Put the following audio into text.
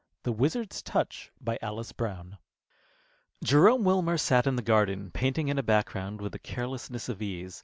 The Wizard's Touch BY ALICE BROWN Jerome Wilmer sat in the garden, painting in a background, with the carelessness of ease.